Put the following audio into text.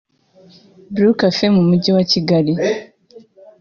Blues Café mu mujyi wa Kigali